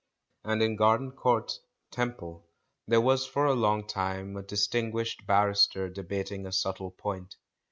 And in Garden Court, Temple, there was for a long time a distinguished barrister debating a subtle point.